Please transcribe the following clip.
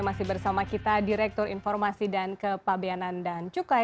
masih bersama kita direktur informasi dan kepabeanan dan cukai